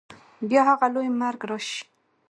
بیا هغه لوی مرګ راسي